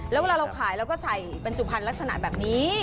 แล้วเวลาเราขายเราก็ใส่บรรจุภัณฑ์ลักษณะแบบนี้